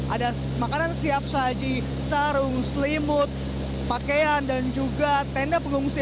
ada makanan siap saji sarung selimut pakaian dan juga tenda pengungsi